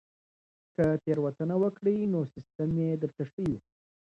که تېروتنه وکړئ نو سیستم یې درته ښيي.